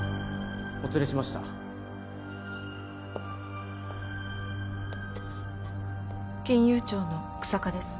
お連れしました金融庁の日下です